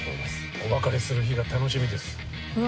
お別れする日が楽しみですうわ